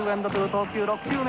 投球６球目。